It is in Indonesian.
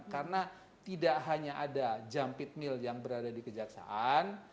karena tidak hanya ada jam pit mill yang berada di kejaksaan